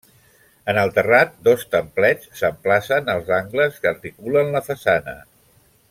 En el terrat, dos templets s'emplacen als angles que articulen la façana.